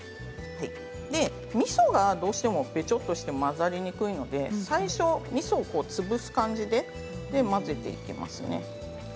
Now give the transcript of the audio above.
みそが、どうしてもべちょっとして混ざりにくいので最初、みそを潰す感じでいきますね。